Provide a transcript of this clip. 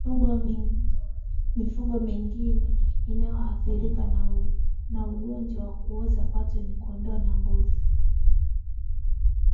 Mifugo mingine inayoathirika na ugonjwa wa kuoza kwato ni kondoo na mbuzi